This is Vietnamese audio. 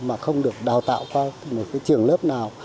mà không được đào tạo qua một cái trường lớp nào